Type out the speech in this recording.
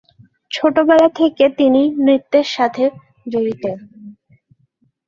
ছোটবেলা থেকে তিনি নৃত্যের সাথে জড়িত।